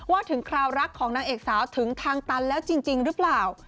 ถึงคราวรักของนางเอกสาวถึงทางตันแล้วจริงหรือเปล่า